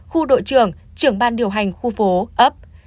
khu đội trưởng trưởng ban điều hành khu phố ấp